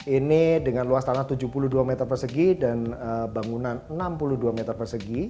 ini dengan luas tanah tujuh puluh dua meter persegi dan bangunan enam puluh dua meter persegi